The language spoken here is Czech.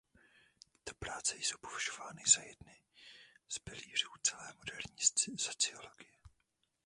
Tyto práce jsou považovány za jedny z pilířů celé moderní sociologie.